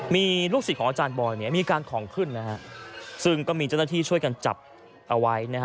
มีลูกศิษย์ของอาจารย์บอยเนี่ยมีการของขึ้นนะฮะซึ่งก็มีเจ้าหน้าที่ช่วยกันจับเอาไว้นะฮะ